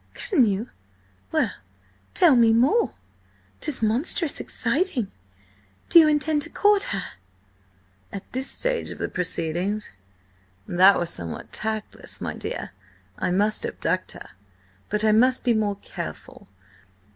"Can you? Well, tell me more! 'Tis monstrous exciting. Do you intend to court her?" "At this stage of the proceedings? That were somewhat tactless, my dear. I must abduct her, but I must be more careful.